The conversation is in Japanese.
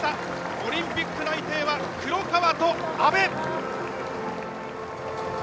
オリンピック内定は黒川と安部。